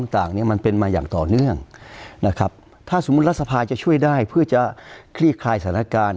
ถ้าสมมุติรัฐสภาจะช่วยได้เพื่อจะคลีกคลายสถานการณ์